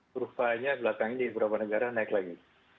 kurvanya belakang ini beberapa negara naik lagi